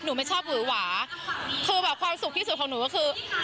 ไม่ชอบหวือหวาคือแบบความสุขที่สุดของหนูก็คือ